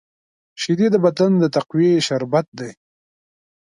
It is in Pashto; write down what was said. شیدې د بدن د تقویې شربت دی